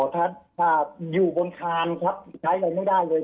อ๋อค่ะอยู่บนทางครับใช้อะไรไม่ได้เลย